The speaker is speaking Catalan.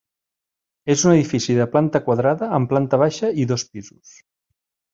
És un edifici de planta quadrada amb planta baixa i dos pisos.